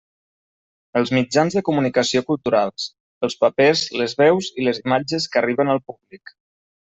Els mitjans de comunicació culturals: els papers, les veus i les imatges que arriben al públic.